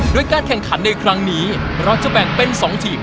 โดยการแข่งขันในครั้งนี้เราจะแบ่งเป็น๒ทีม